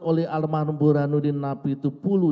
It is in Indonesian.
oleh almarhum burhanuddin namitpulu